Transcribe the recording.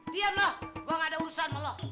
diam lo gue gak ada urusan sama lo